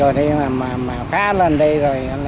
rồi thì mà khá lên đây rồi